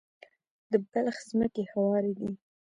د بلخ ځمکې هوارې دي